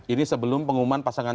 ini sebelum pengumuman pasangan